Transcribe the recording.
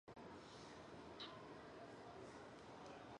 本种模式标本采自于湖北宜昌。